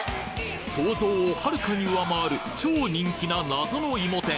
想像をはるかに上回る超人気な謎のいも天